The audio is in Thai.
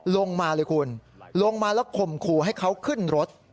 ลงมาเลยคุณลงมาแล้วข่มขู่ให้เขาขึ้นรถ